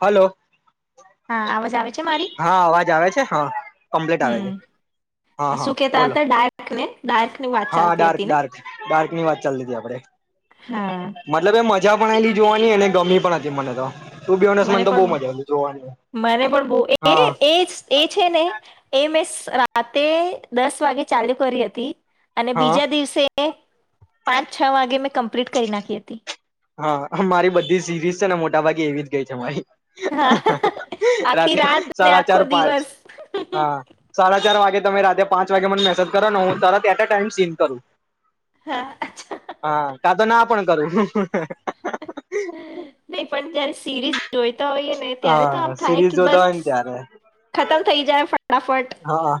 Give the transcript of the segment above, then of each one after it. Hello. હા, આવાજ આવે છે મારી? હા અવાજ આવે છે હા. કમ્પ્લીટ આવે હમ્મ, છે હા આ હા શું કેતા બોલો હતા ડાર્ક કને. હા, ડાર્ક ડાર્ક ડાર્ક. ની વાત ચાલી તી આપડે. હા. જ્યાં પણ એની જોવાની અને ગમી પણ હતી મને તો. ટુ બી ઓનેસ્ટ મને તો પણ બહુ મજા આયલી જોવાની મને પણ બઉ એ હા એજ એછે ને એ મેસ રાતે દસ વાગે ચાલુ કરી હતી. અને હા બીજા દિવસે એ પાંચ છ વાગે મેં કમ્પ્લીટ કરી નાખી હતી. હા મારી બધી સિરીઝ છે ને મોટાભાગે એવી જ ગઈ છે મારી હા, આખી રાત્રે રાત ને સાડા ચાર આખો પાંચ દિવસ હા સાડા ચાર વાગે તમે રાતેે પાંચ વાગ્યા મન મેસેજ કરો ને હું તરત એટ અ ટાઈમ સીન કરું હા અચ્છા હા કાતો ના પણ કરું હમ હમ [inaudible] તે પણ ત્યારે સીરીઝ જોએ હોઈને ત્યારે તો હા આમ સિરીઝ થાય જોતા હોય બસ ને ત્યારે ખતમ થઈ જાય ફટ હા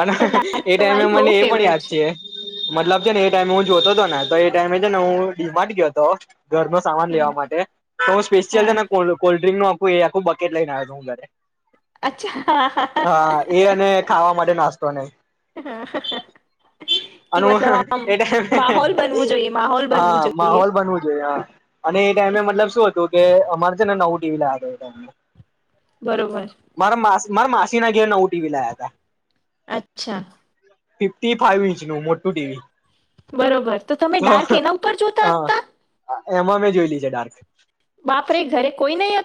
અને ડાર્ક એ તો ટાઈમે મારી બહુ મને એ પણ ફેવરેટ યાદ છે મતલબ છે ને એ ટાઈમે હું જોતો હતો ને તો એ ટાઈમે છે ને હું ડી માર્ટ ગ્યો હતો ઘરનો સામાન હમ, લેવા માટે તો હું હા સ્પેશિયલને કોલ્ડ્રિંકનો આખું બકેટ લઈને આયો તો હું ઘરે અચ્છા. હ અ એ અને ખાવા માટે નાસ્તોને કે અને મતલબ હું આમ હે હે હે માહોલ બનવું જોઈએ માહોલ બનવું હા જોઈએ. માહોલ બનવું જોઈએ હ અને એ હમ, ટાઈમે મતલબ શું હતું કે અમાર જાણે નવું ટીવી લાદી એ અમને બરોબર મારે માસીના ઘેર નવું ટીવી લાયા તા અચ્છા ફિફ્ટી ફાઇવ ઇંચ નું મોટું ટીવી બરોબર, તો તમે ડાર્ક એના ઉપર જોતા હા હતા? એમાં મેં જોયેલી છે, ડાર્ક બાપરે, ઘરે કોઈ નઈ હ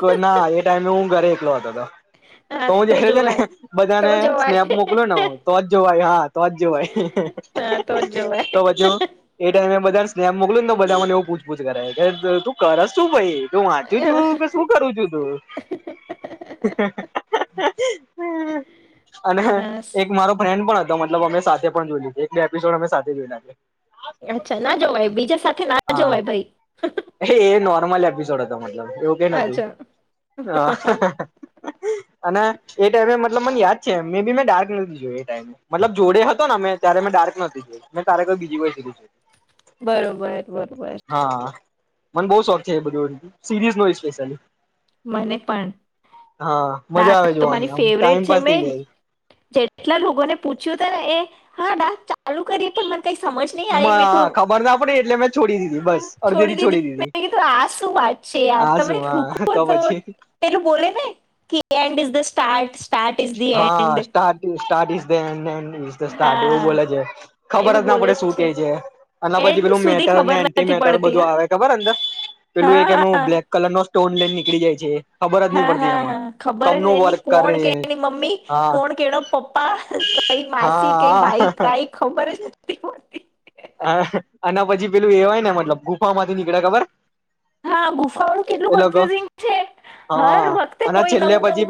ઘરનાના એ ટાઈમે હું ઘરે એકલો હતો હતો, હા તો હું જયારે છે ને જોવાય તો બધાને સ્નેપ જોવાય મોકલુંને હ તોજ જો હા તો જ જોઈ હા તો જ જોવાય. તો પાછુ એ ટાઈમે બધાને સ્નેપ મોકલું ને તો બધા મને એવું પૂછપૂછ કરે, કે તું કરસ સુ ભાઈ? તો વાંચી છું, કે શું કરું છું તું અને બસ એક મારો ફ્રેન્ડ પણ હતો મતલબ અમે સાથે પણ જોઈલી, એક બે એપિસોડ, અમે સાથે જોઈલા અચ્છા ના જોવાય બીજા સાથે ના હા, જોવાય ભાઈ એ એ નોર્મલ એપિસોડ હતો એવું કે નથી, અચ્છા અને એ ટાઈમે મતલબ મને યાદ મે બી મેં ડાર્ક નથી જોઈ એ ટાઈમએ, મતલબ જોડે હતો ને મેં ત્યારે મેં ડાર્ક નથી જોય, મેં ત્યારે કોઈ બીજી કોઈ સિરીઝ જોઈ બરોબર બરાબર હા મને બહુ શોક છે એ બધું [inaudible] સીરીઝ નું સ્પેશિયલી. મને પણ હા, મજા ડાર્ક આવે તો મારી જોવાની આમ ટાઈમ પાસ થઈ જાય. કેટલા લોકો ને પૂછ્યું ત ને એ હા ડાર્ક ચાલુ કરી પણ મ હા હા ખબર ના પડી, એટલે મેં છોડી દીધી, બસ અડધે થી છોડી મેં દીધી, કીધું આ શું વાત છે યાર આ તમે શું હા રૂકો તો પેલું બોલે ને કે એન્ડ ઈઝ ઢ સ્ટાર્ટ્સ હા, start start is end end just start એવું હા બોલે છે ખબર જ એવું ના બોલે પડે શું કે છે અને પછી એન્ડ પેલું સુધી મેટર અને ખબર એન્ટી નથી મેટર પડતી હ બધું આવે ખબર અંદર, પેલું એક એનું હા બ્લેક કલર નો ટોન લઈને નિકળી જાય છે. ખબરજ ની હા પડતી હા એમાં, હા કેમ ખબર જ નું એની વર્ક કરે. કોણ કે એની મમ્મી, હા કોણ કેડો પપ્પા, કઈ માસી, કઈ હા ભાઈ, કઈ ખબરજ નથી પડતી. હા, અને પછી પેલું એ હોય ને મતલબ, ગુફામાંથી નીકળે ખબર? હા ગુફાઓ કેટલું એ લોકો કન્ફ્યુઝિંગ છે, હર હા વખતે અને કોઈ નવું નવું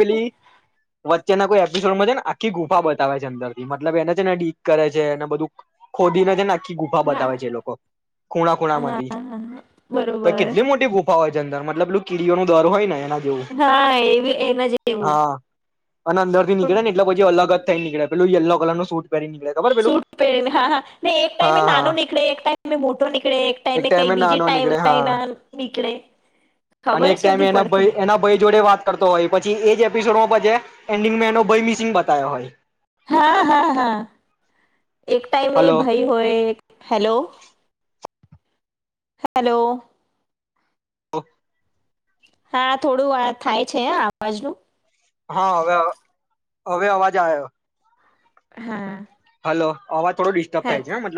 એના કોઈ એપિસોડમાં છે, ને આખી ગુફા બતાવે છે, અંદરથીતલબ એને છે, ને ડીક કરે છે એને બધું ખોદીને આખી ગુફા બતાવે છે, હા એ લોકો ખૂણા ખૂણા માંથી હા હા તો બરોબર કેટલી મોટી ગુફા હોય એની અંદર મતલબ પેલું કીડીઓ ન દર હોય ને [inaudible] હા હા એવી એના જેવું અને અંદર થી પણ નીકળે ને એટલે પછી અલગ જ કઇને નીકળ્યા પેલો યલો કલરનો સૂટ પહેરી નીકળે ખબર પેલું સૂટ પહેલા ને એક ટાઈમે હા નાનો હા નીકળે, એક ટાઈમે મોટો નીકળે, એક ટાઈમે કઈક બીજી નાનો ટાઈમ નીકળે હા લાઇન નીકળે અને ખબર એક જ ટાઈમે નથી એના પડતી. ભાઈ એપિસોડ એન્ડિંગમાં એનો ભય મિસિંગ બતાવયો હોય. હા હા હા. એક ટાઈમ એ હલો ભાઈ હોય હેલો! હેલો! ઓ હા થોડું થાય છે, અવાજનું હા હવે હવે અવાજ આયો. હા. હલો! અવાજ થોડો ડિસ્ટર્બ હે થાય છે મતલબ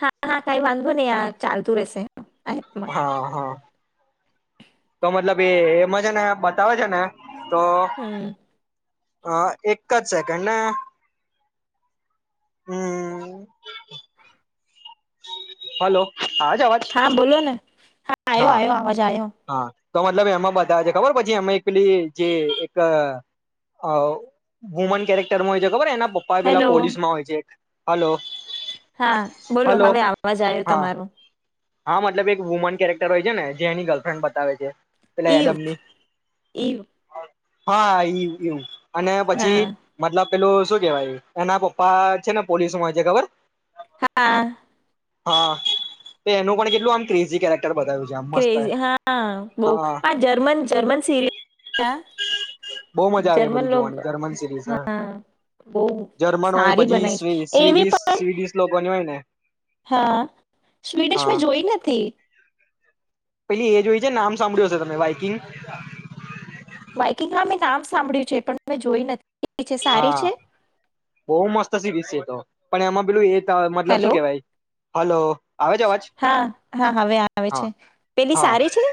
હા હા કઈ વાંધવો નહી આ ચાલતું રહેશે હા, આ એપમાં હા હા. તો મતલબ એ એમાં છે ને બતાવે છે ને તો હમ હ એક જ સેકન્ડ ને હમ હલો આવે છે અવાજ હા બોલો નેા આ હા આવયો આવાજ હા તો મતલબ એમાં બધા છે, ખબર પછી એ એકલી જે એક વુમન કેરેક્ટરમાં હોય છે, ખબર એના પપ્પા એ પેલા હેલો પોલીસમાં હોય છે. હલો હા બોલો હલો હવે આવવાજ આવ્યો હા તમારોું હા મતલબ એક વુમન કેરેક્ટર હોય છે, ને જે એની ગર્લફ્રેન્ડ બતાવે છે. પેલા એડમની [unintelligible] હા એ એવું અને પછી હા મતલબ પેલું શું કેવાય એના પપ્પા છે, ને પોલીસમાં મેં ખબર હા હા તો એનું પણ કેટલુ ક્રેઝી કરે ક હા બહ હા પણ જર્મન જર્મન સિરય બહુ મજા આવે એ જર્મન બધી જોવાની જર્મન સિરીઝ હા બહ જર્મન હોય સારી પછી બનાય છે, એવી સ્વીડિશ પણ સ્વીડિશ લોકોની હોય ને હા સ્વીડિશ મે હા જોઈ નથી પેલી એ જોય છે, નામ સાંભળ્યું હશે તમે બાઈકિંગ બાઈકિંગમાં મેમે નામ સાંભળ્યું છે, પણ મેં જોઈ નથી છે સારી છે હા બહુ મસ્ત સી દિ તો પણ એમાં પેલું એ મતલબ હેલો શું કેવાય હલો આવે છે, અવાજ હા હા હવે આવે હા છે પેલી હા સારી છે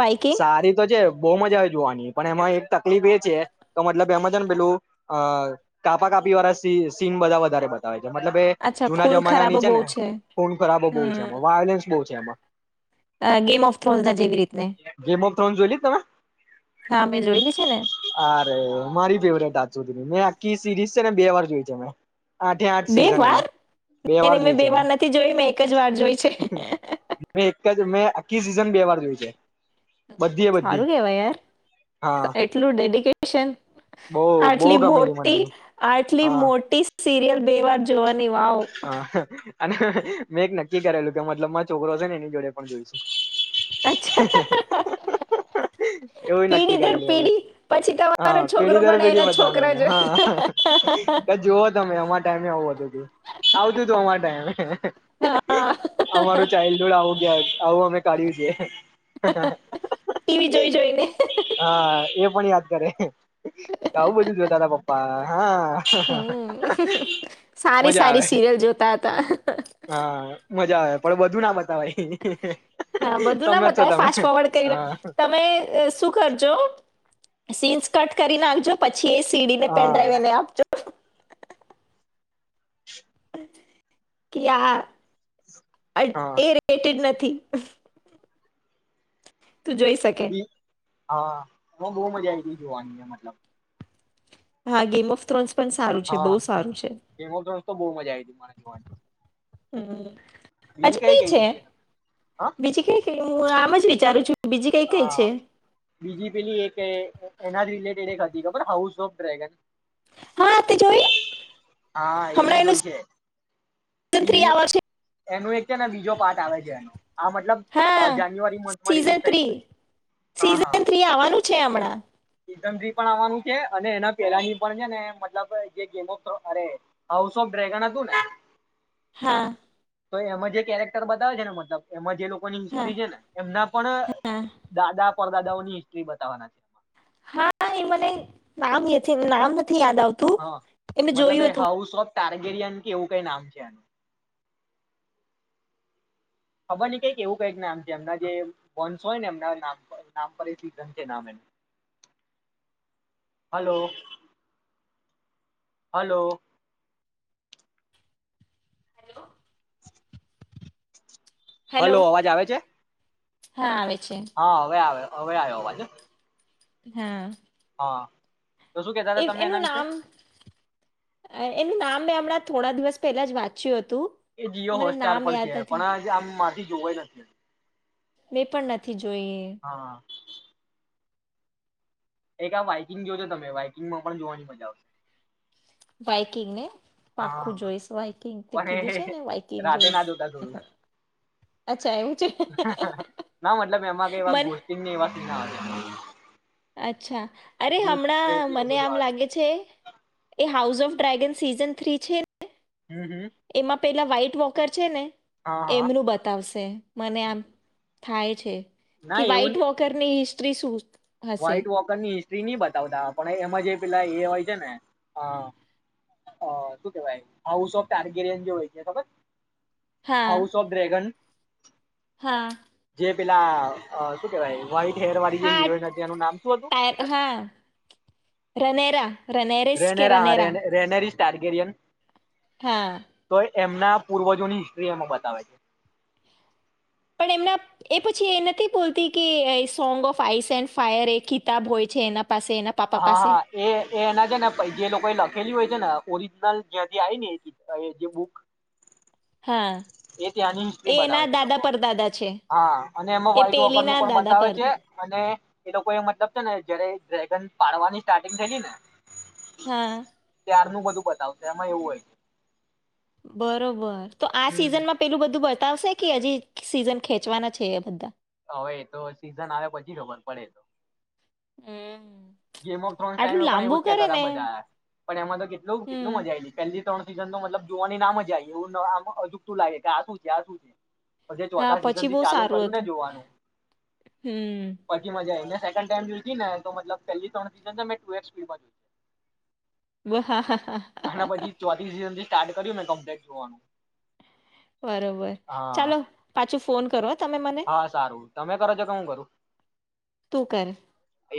બાઇકિંગ સારી તો છે, બહ મજા આવે જોવાની પણ એમાં તકલીફ એ છે, તો મતલબ એમાં છે, ને પેલું અ કાપા કાપી વાળા સી સીન બધા વધારે બતાવે મતલબ એ અચ્છા જુના ખૂન જમાના ખરાબો ની છે, બહુ ને ફોન ખરાબો બહુ છે, હમ એમાં વાયોલન્સ બહુ છે, એમાં ગેમ ઓફ જેવી રીતને ગેમ ઓફ થ્રોન જોઈ લી તમે હા મેં જોયેલી છે, ને અરે મારી ફેવરેટ હજ સુધી મે આી સિરીઝ છે, ને બે વાર જોય છે. આઠે આઠ બે સિઝન વાર એના મેં બે વાર નથી જોય મેં એક જ વાર જોઈ છે. મે આખી સીઝન બે વાર જોય છે. બધી એ બધી સારું કેવાય યાર હા એટલું ડેડિકેશન બહુ બહુ આટલી ગમેલી મોટી મને આટલી હા મોટી સિરિયલ બે વાર જોવાની વાવ હા [unintelligible] મેં એક નક્કી કરેલું કે મતલબ મા છોકરો છે. અચ્છા એવું નક્કી પીઢી કરે દર લ એવું પીઢી પછી હા તમારો છોકરો પેઢી દર પણ પેઢી એના બધાને છોકરા અમે જો હા જુઓ તમે આમાં ટાઈમે આવું હતું તું આવતું તું અમારા ટાઈમે અમારું હા ચાઇલ્ડહુડ આવું ગયા આવું અમે કાઢ્યું છે, ટીવી જોઈ જોઈને હા એ પણ યાદ ત્યારે આવું બધું જોતા હતા પપ્પા હા હમ સારી મજા સારી આવે સિરિયલ જોતા હતા હા મજા આવે પણ બધું ના બતાવાઈ હા બધું ના બતાય ફાસ્ટ ફોવર્ડ કરીને હા તમે શું કરજો સીન્સ કટ કરી નાખજો પ અછી એ સીડી ને હા પેડને આપ જો કે આ હા એ રેટે ન તું જોઈ શકે. હા હ બહુ મજા આવી તી જોવાની મતલબ. હા ગેમ ઓફ થ્રોન્સ પણ સારું છે બહુ હા સારું છે. ગેમ ઓફ થ્રોન્સ તો બહુ મજા આ આયવી હતી મને એ જોવાની. હમ [unintelligible] હજ કઈ છે હા બીજી કઇ કઇ હું આમ જ વિચારું છું. બીજી કઈ કઈ હા છે બીજી પેલી એક એ એના જ રિલેટેડ એક. ખબર હાઉસ ઓફ ડ્રેગન. હા તે જોઈ હા એ હમણાં મેં એનું જોઈ છે સિઝન થ્રી બીજી આ વર્ષે. એનું એક છે ને બીજો પાર્ટ આવે છે એનો. આ મતલબ હા જાન્યુઆરી મંથમાં સીઝન રીલીઝ સીઝન થ્રી આવવાનું. છે હમણાં. મ પણ આવવાનું છે અને એના પેલા ની પણ છે ને મતલબ જે ગેમ ઓફ થ અરે હાઉસ ઓફ ડ્રેગન હતું ને. હા [unintelligible] તો એમાં જે કેરેક્ટર બતાવે છે ને મતલબ એમ જ. જે લોકોની હા હિસ્ટરી છે ને એમના પણ હા દાદા. પર દાદાઓની હિસ્ટ્રી બતાવાના છે. હા એ મને નામ એથી નામ થી યાદ આવતું એ મેં જોયું હતું. ટારગેરિયન કે એવું કઈ નામ છે આનું. ખબર નહીં કઈ એવું કઈક નામ છે એમના જે વંશ હોયને એમના નામ પર નામ પર થી નામ એનું. હલો. હલો. હેલો હલો અવાજ આવે છે? હા આવે છે હા હવે આવે્યો. હવે આયો અવાજ જ. હા. હા. તો શું કેતા એ હતા તમે એનું એના વિશે નામ અહ એનું નામ મેં હમણાં થોડા દિવસ પહેલા જ વાંચ્યું હ એ જીયો હોટસ્ટાર પણ છે પણ આ આમ માંથી જો હોય ના મેં પણ નથી જોઈએ. હા એક આ બાઈકિંગ જો છો તમે બાઈકિંગમાં પણ જોવાની મજા આવશે. બાઇકિંગને? હા પણ છે ને એ વાઈકિંગ રાતે જોઈશ ના દોતા થોડું અચ્છા એવું છે ના મતલબ એમાં કે એ મને ગોસ્ એવા ના અચ્છા અરે ભૂત પ્રેત હમણાં ને એવું મને બધું આમ આવે લાગે છે એ house of dragon season three છે ને હમ હમ એમાં પેલા વાઈટ વોકર છે ને હા હા એમનું બતાવશે. મને આમ થાય છે. કે વાઈટ વોકર ની ત્રિસુત વાઇટ વોકરની બતાવતા પણ એમાં જે પેલા એ હોય છે ને શું કેવાય હાઉસ ઓફ ટારકેરિયન જે હોય છે ખબર છ હા હાઉસ ઓફ ડ્રેગન હા. જે પેલા શું કેવાય વ્હાઈટ હેર વાળી જે હા હીરોઈન હતી એનું નામ શું હતું ટાય અ હા રનેરા. રનેરેસ કે રેનેરા હા રનેરા રેને રેનેરીશ. ટારગેરિયન. હા. એમના પૂર્વજોની હિસ્ટ્રી એમા બતાવે છે. પણ એમના એ પછી એ નથી બોલતી કે એ song of ice and fire એક કિતાબ હોય છે એના પાસે એના પાપા હા, પાસે હા એ-એ એના છે ને પહી જે લોકો લખેલી હોય છે ને ઓરિજનલ જ્યાંથી આઈ ને જી એ જે બુક હા એ ત્યાંની હિસ્ટ્રી એના બતાવે છે એ દાદા લોકો. પરદાદા છે હા અને એમાં એ વ્હાઈટ વપર નું પેલીના પણ દાદા બતાવે પર છે અને એ લોકો એ મતલબ છે ને જયારે ડ્રેગન પાડવાની સ્ટાર્ટિંગ થયેલી ને હા. તારનું બધું બતાવશે એમાં એવું હોય છે. બરોબર. તો આ હમ સીઝનમાં પેલું બધું બ બતાવશે કે હજી સીઝન ખેંચવાના છે એ બધા? હવે એ તો સીઝન આવે પછી ખબર પડે એતો. હમ્મ. ગેમ [unintelligible] ટાઈમે પણ એવું જ કેતા તા બધા, પણ એમાં તો હમ કેટલું-કેટલું મજા આયેલી, પેલી ત્રણ સીઝન નું મતલબ જોવાની ના મજા [unintelligible] લાગે કે આ શું છે? આ શું છે? પછી હા ચોથા સિઝન પછી થી બહુ ચાલુ સારું કર્યું ને હતું જોવાનું, હમ પછી મજા આવી ને. સેકન્ડ ટાઈમ જોઈતી ને તો મતલબ પેલી ત્રણ સિઝન છે મે ટુ એક્સ સ્પીડમાં જોઈ. [inaudible] આના પછી ચોથી સીઝનથી સ્ટાર્ટ કર્યું ને કમ્પલેટ જોવાનો. બરોબર. ચાલો પાછું ફોન કરો હ હા સારું. તમે કરો છો કે હું કરું? તું કરે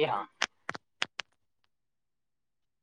એ હા.